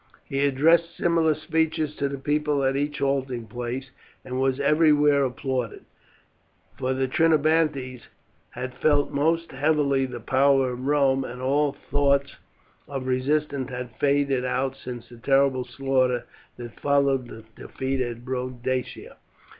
He addressed similar speeches to the people at each halting place, and was everywhere applauded, for the Trinobantes had felt most heavily the power of Rome, and all thought of resistance had faded out since the terrible slaughter that followed the defeat of Boadicea.